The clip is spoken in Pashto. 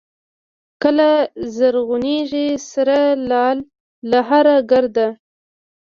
کله زرغونېږي سره لاله له هره ګرده